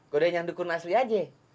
godain yang dukun asli aja